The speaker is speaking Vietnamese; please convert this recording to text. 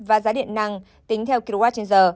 và giá điện năng tính theo kwh